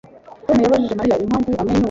Tom yabajije Mariya impamvu amwenyura